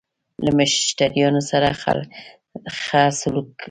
له مشتريانو سره خه سلوک کول